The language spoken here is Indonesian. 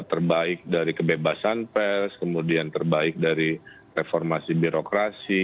terbaik dari kebebasan pers kemudian terbaik dari reformasi birokrasi